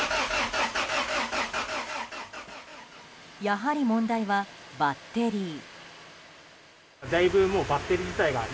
やはり問題はバッテリー。